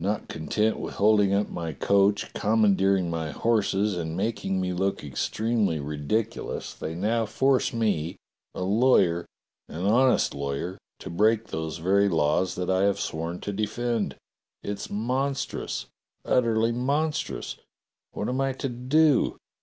"Not content with holding up my coach, commandeering my horses, and making me look extremely ridiculous, they now force me, a lawyer, an honest lawyer, to break those very laws that I have sworn to defend. It's monstrous! Utterly monstrous! What am I to do.